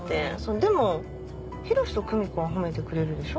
でも寛と久美子は褒めてくれるでしょ？